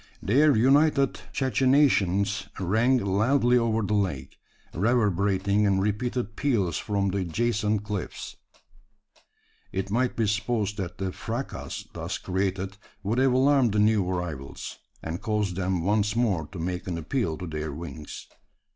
Their united cachinnations rang loudly over the lake reverberating in repeated peals from the adjacent cliffs. It might be supposed that the fracas thus created would have alarmed the new arrivals: and caused them once more to make an appeal to their wings.